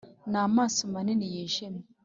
ni amaso manini yijimye